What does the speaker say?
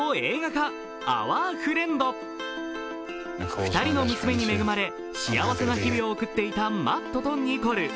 ２人の娘に恵まれ幸せな日々を送っていたマットとニコル。